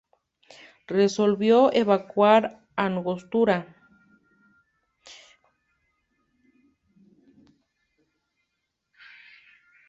Resolvió evacuar Angostura.